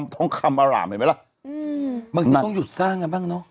ทองคำอร่ามเห็นไหมล่ะบางทีต้องหยุดสร้างกันบ้างเนอะ